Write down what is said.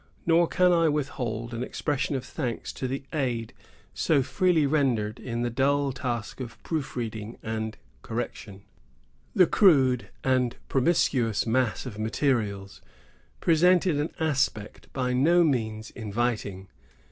Nor can I withhold an expression of thanks to the aid so freely rendered in the dull task of proof reading and correction. The crude and promiscuous mass of materials presented an aspect by no means inviting.